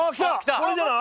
これじゃない？